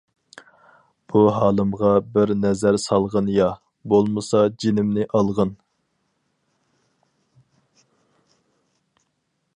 بۇ ھالىمغا بىر نەزەر سالغىن، يا، بولمىسا جېنىمنى ئالغىن.